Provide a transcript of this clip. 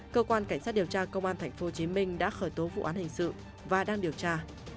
cơ quan cảnh sát điều tra công an tp hcm đã khởi tố vụ án hình sự và đang điều tra